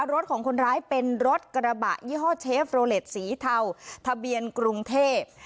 รถของคนร้ายเป็นรถกระบะยี่ห้อเชฟโรเล็ตสีเทาทะเบียนกรุงเทพ